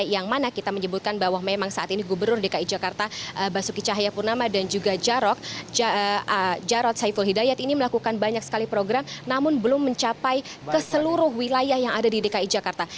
yang mana kita menyebutkan bahwa memang saat ini gubernur dki jakarta basuki cahaya purnama dan juga jarod saiful hidayat ini melakukan banyak sekali program namun belum mencapai ke seluruh wilayah yang ada di dki jakarta